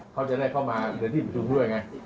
เขาจะได้เข้ามาในที่ประชุมด้วยไง